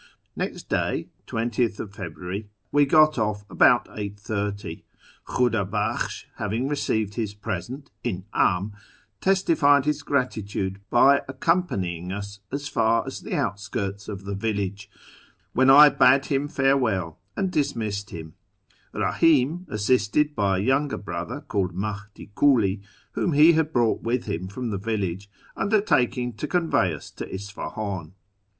Xext day (20th February) we got off about 8.30. Khuda FROM TEHERAN to ISFAHAn 195 bakhsh, having received his present (indm), testified his gratitude by accompanying us as far as the outskirts of the village, when I bade him farewell and dismissed him ; Eahim, assisted by a younger brother called Mahdi Kuli, whom he had brought with him from the village, undertaking to convey us to Isfahan.